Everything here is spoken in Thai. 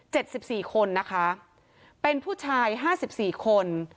สิบสี่คนนะคะเป็นผู้ชายห้าสิบสี่คน